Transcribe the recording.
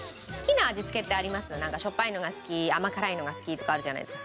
しょっぱいのが好き甘辛いのが好きとかあるじゃないですか。